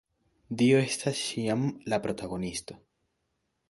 Dio estas ĉiam la protagonisto.